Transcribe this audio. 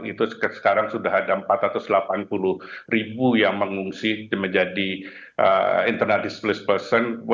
itu sekarang sudah ada empat ratus delapan puluh ribu yang mengungsi menjadi internal displace person